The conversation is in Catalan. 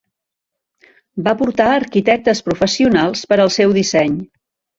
Va portar arquitectes professionals per al seu disseny.